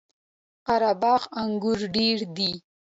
قره باغ انګور ډیر دي؟